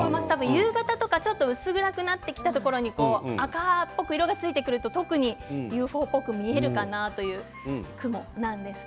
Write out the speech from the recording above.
夕方など少し薄暗くなってきたところに赤っぽくなってくるとＵＦＯっぽく見えるかなという雲です。